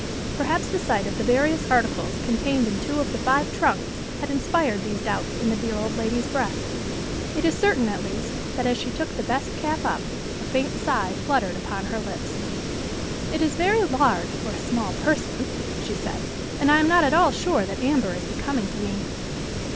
Perhaps the sight of the various articles contained in two of the five trunks had inspired these doubts in the dear old lady's breast: it is certain, at least, that, as she took the best cap up, a faint sigh fluttered upon her lips. "It is very large for a small person," she said. "And I am not at all sure that amber is becoming to me."